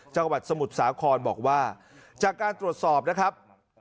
จังหวัดสมุทรสาขอนบอกว่าจากการตรวจสอบนะครับ